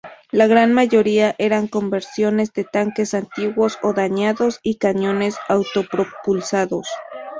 La gran mayoría eran conversiones de tanques antiguos o dañados y cañones autopropulsados.